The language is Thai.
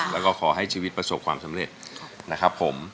แล้วก็ขอให้ชีวิตประสบความสำเร็จนะครับผม